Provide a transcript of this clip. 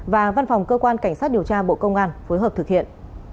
và văn phòng cơ quan cảnh sát điều tra bộ công an phối hợp thực hiện